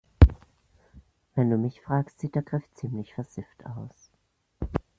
Wenn du mich fragst, sieht der Griff ziemlich versifft aus.